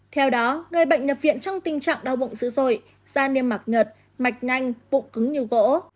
theo đó người bệnh nhập viện trong tình trạng đau bụng dữ dội da niêm mạc nhật mạch nhanh bụng cứng như gỗ